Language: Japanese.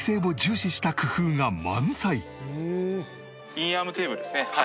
インアームテーブルですね。